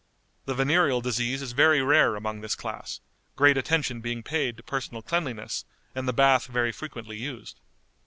The venereal disease is very rare among this class, great attention being paid to personal cleanliness, and the bath very frequently used.